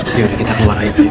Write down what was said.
yaudah kita keluar aja